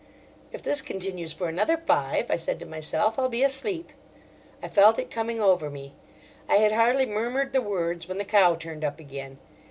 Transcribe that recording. "If this continues for another five," I said to myself, "I'll be asleep." I felt it coming over me. I had hardly murmured the words when the cow turned up again.